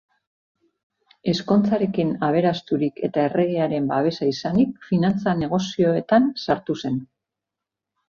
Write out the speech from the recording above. Ezkontzarekin aberasturik eta erregearen babesa izanik, finantza-negozioetan sartu zen.